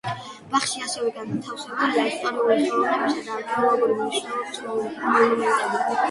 ბაღში ასევე განთავსებულია ისტორიული, ხელოვნებისა და არქეოლოგიურ მნიშვნელობის მონუმენტები.